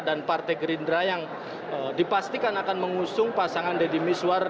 dan partai gerindra yang dipastikan akan mengusung pasangan deddy miswar